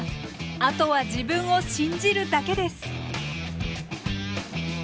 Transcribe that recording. あとは自分を信じるだけです！